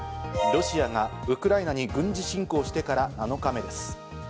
ロシアがウクライナに軍事侵攻してから７日目です。